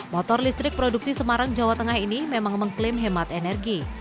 motor listrik produksi semarang jawa tengah ini memang mengklaim hemat energi